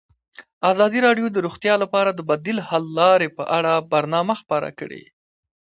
ازادي راډیو د روغتیا لپاره د بدیل حل لارې په اړه برنامه خپاره کړې.